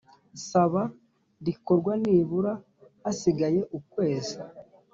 saba rikorwa nibura hasigaye ukwezi